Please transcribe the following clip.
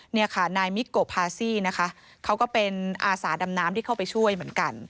นี่ค่ะนายมิโกพาซี่นะคะเขาก็เป็นอาสาดำน้ำที่เข้าไปช่วยเหมือนกัน